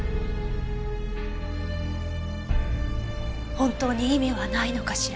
本当に意味はないのかしら。